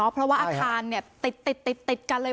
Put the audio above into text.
เพราะว่าอาคารติดกันเลย